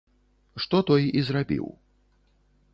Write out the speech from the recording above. Што той і зрабіў.